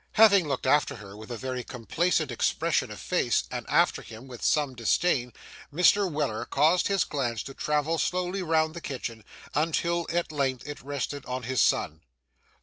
Having looked after her with a very complacent expression of face, and after him with some disdain, Mr. Weller caused his glance to travel slowly round the kitchen, until at length it rested on his son.